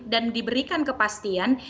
dan diberikan kepastian